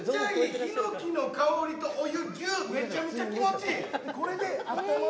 ひのきの香りとお湯、ギュッめちゃめちゃ気持ちいい！